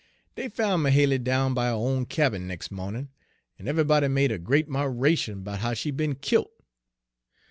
"Dey foun' Mahaly down by her own cabin nex' mawnin', en eve'ybody made a great 'miration 'bout how she'd be'n killt.